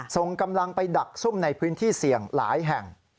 ส่งกำลังไปดักซุ่มในพื้นที่เสี่ยงหลายแห่ง